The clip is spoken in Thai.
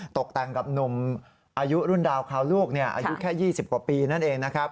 ตกแต่งกับหนุ่มอายุรุ่นดาวคราวลูกอายุแค่๒๐กว่าปีนั่นเองนะครับ